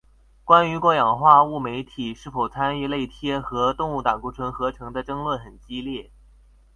关于过氧化物酶体是否参与类萜和动物胆固醇合成的争论很激烈。